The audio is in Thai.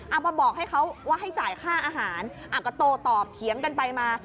มาบอกให้เขาว่าให้จ่ายค่าอาหารก็โตตอบเถียงกันไปมา